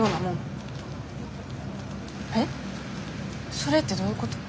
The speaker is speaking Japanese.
それってどういうこと？